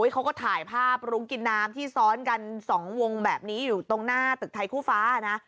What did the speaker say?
เขาก็ถ่ายภาพรุ้งกินน้ำที่ซ้อนกัน๒วงแบบนี้อยู่ตรงหน้าตึกไทยคู่ฟ้านะ